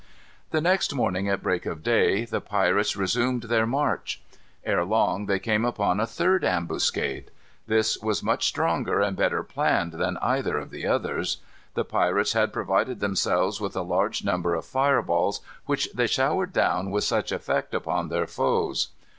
The next morning, at break of day, the pirates resumed their march. Ere long, they came upon a third ambuscade. This was much stronger and better planned than either of the others. The pirates had provided themselves with a large number of fire balls, which they showered down with much effect upon their foes.